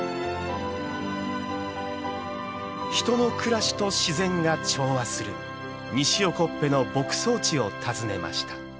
人の暮らしと自然が調和する西興部の牧草地を訪ねました。